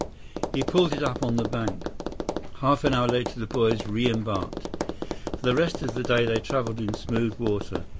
He pulled it up on the bank. Half an hour later the boys reembarked. For the rest of the day they traveled in smooth water.